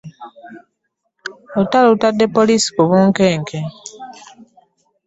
Olutalo lutadde poliisi ku bunkenke.